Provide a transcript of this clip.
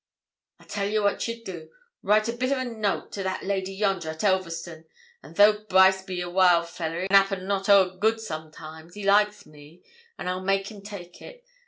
'I tell ye what ye'll do. Write a bit o' a note to the lady yonder at Elverston; an' though Brice be a wild fellah, and 'appen not ower good sometimes, he likes me, an' I'll make him take it.